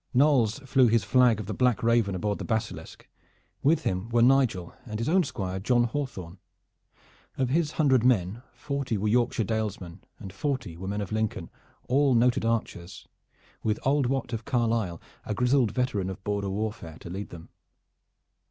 Knolles flew his flag of the black raven aboard the Basilisk. With him were Nigel and his own Squire John Hawthorn. Of his hundred men, forty were Yorkshire Dalesmen and forty were men of Lincoln, all noted archers, with old Wat of Carlisle, a grizzled veteran of border warfare, to lead them.